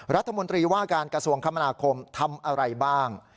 รัฐมนตรีว่าการกระทรวงคมนาคมทำอะไรบ้าง